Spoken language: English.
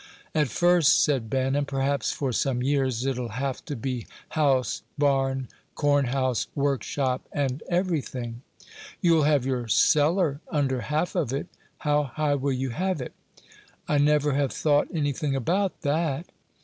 "At first," said Ben, "and perhaps for some years, it'll have to be house, barn, corn house, workshop, and everything." "You'll have your cellar under half of it; how high will you have it?" "I never have thought anything about that."